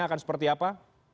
akan seperti apa